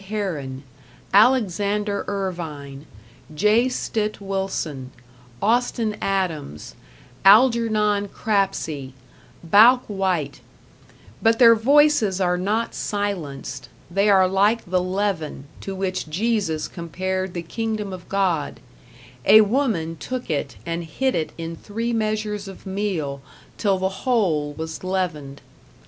Herron, Alexander Irvine, J. Stitt Wilson, Austin Adams, Algernon Crapsey, Bouck White; but their voices are not silenced, they are like the leaven, to which Jesus compared the kingdom of God a woman took it and hid it in three measures of meal till the whole was leavened.